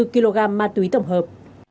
hai bốn kg ma túy tổng hợp